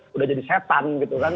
sudah jadi setan gitu kan